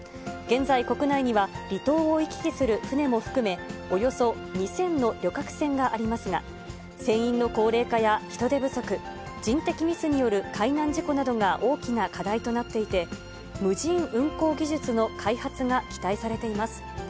現在、国内には離島を行き来する船も含め、およそ２０００の旅客船がありますが、船員の高齢化や人手不足、人的ミスによる海難事故などが大きな課題となっていて、無人運航技術の開発が期待されています。